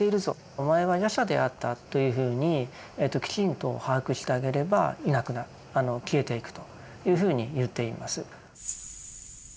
「お前は夜叉であった」というふうにきちんと把握してあげればいなくなる消えていくというふうにいっています。